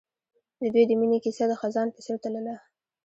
د دوی د مینې کیسه د خزان په څېر تلله.